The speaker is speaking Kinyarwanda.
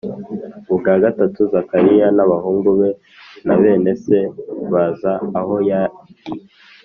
Ubwa gatatu Zakari n abahungu be na bene se baza aho yari